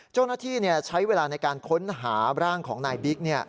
เจ้าหน้าที่ใช้เวลาในการค้นหาร่างของนายบิ๊ก